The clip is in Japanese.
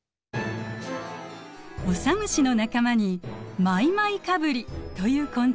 オサムシの仲間にマイマイカブリという昆虫がいます。